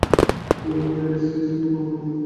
তুই অভিনয় জানিস না শুনলে মামা আনন্দে লাফাতে থাকবে।